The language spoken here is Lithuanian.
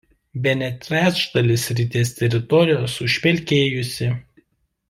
Bene trečdalis srities teritorijos užpelkėjusi.